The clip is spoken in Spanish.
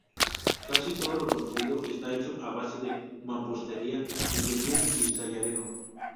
Casi todo lo construido está hecho a base de mampostería, sillería y sillarejo.